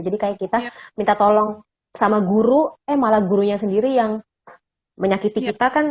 kayak kita minta tolong sama guru eh malah gurunya sendiri yang menyakiti kita kan